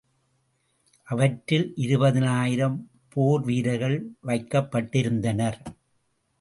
அவற்றில் இருபதினாயிரம் போர் வீரர்கள் வைக்கப்பட்டிருந்தனர்.